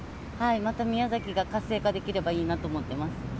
また宮崎が活性化できればいいなと思ってます。